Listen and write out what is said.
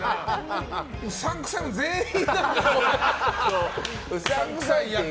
うさんくさい、全員。